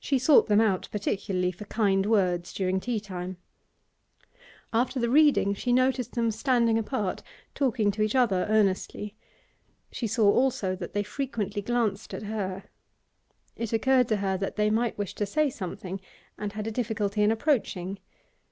She sought them out particularly for kind words during tea time. After the reading she noticed them standing apart, talking to each other earnestly; she saw also that they frequently glanced at her. It occurred to her that they might wish to say something and had a difficulty in approaching.